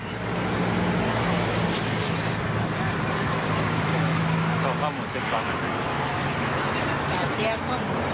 ถูกถูกถูก